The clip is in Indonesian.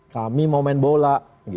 kami mau main bola